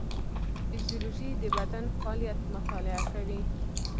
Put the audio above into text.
فیزیولوژي د بدن فعالیت مطالعه کوي